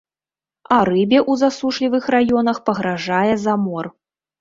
А рыбе ў засушлівых раёнах пагражае замор.